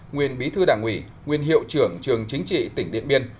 nguyên bí thư đảng ủy nguyên hiệu trưởng trường chính trị tỉnh điện biên